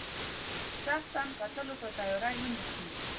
شخصا کتلو ته تیاری ونیسي.